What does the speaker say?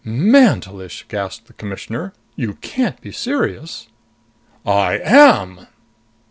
"Mantelish!" gasped the Commissioner. "You can't be serious!" "I am."